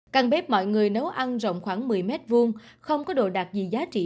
căn bếp mọi người nấu ăn rộng khoảng một mươi m hai không có đồ đạc gì giá trị